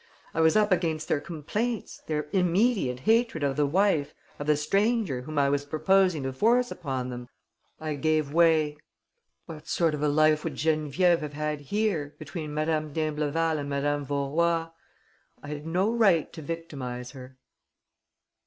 I was up against their complaints, their immediate hatred of the wife, of the stranger, whom I was proposing to force upon them.... I gave way. What sort of a life would Geneviève have had here, between Madame d'Imbleval and Madame Vaurois? I had no right to victimize her."